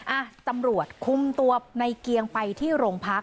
อ่ะตำรวจคุมตัวในเกียงไปที่โรงพัก